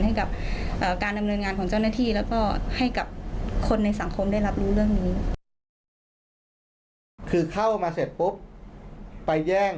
ให้กับการดำเนินงานของเจ้าหน้าที่